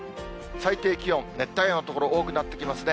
最低気温、熱帯夜の所、多くなってきますね。